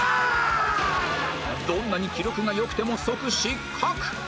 どんなに記録が良くても即失格！